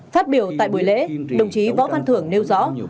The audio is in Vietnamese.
phát biểu tại buổi lễ đồng chí võ văn thưởng nêu rõ